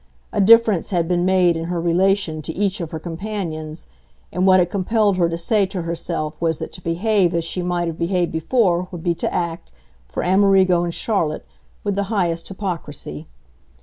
A difference had been made in her relation to each of her companions, and what it compelled her to say to herself was that to behave as she might have behaved before would be to act, for Amerigo and Charlotte, with the highest hypocrisy.